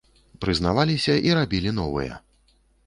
Прызнаваліся і рабілі новыя.